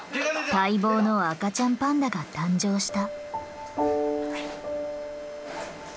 待望の赤ちゃんパンダが誕生した。